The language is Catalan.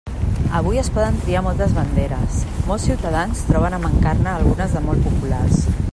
Avui es poden triar moltes banderes, molts ciutadans troben a mancar-ne algunes de molt populars.